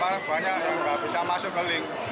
dari kemarin banyak yang nggak bisa masuk ke link